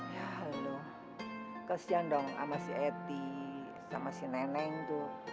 ya halo kasihan dong sama si eti sama si nenek tuh